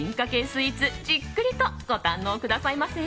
スイーツじっくりとご堪能くださいませ。